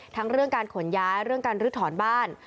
ทั้งเรื่องการขนย้ายเรื่องการลื้อถอนบ้าน